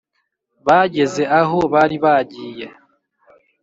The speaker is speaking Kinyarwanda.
bageze aho bari bagiye